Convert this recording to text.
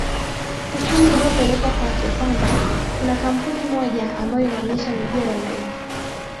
hukumu iliyopelekwa kwake kwamba kuna kampuni moja ambayo inaonyesha mipira live